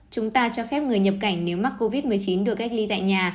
chúng ta cho phép người nhập cảnh nếu mắc covid một mươi chín được cách ly tại nhà